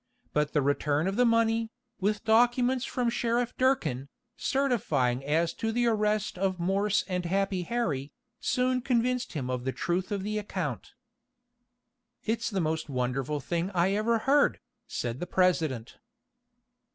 But the return of the money, with documents from Sheriff Durkin, certifying as to the arrest of Morse and Happy Harry, soon convinced him of the truth of the account. "It's the most wonderful thing I ever heard," said the president.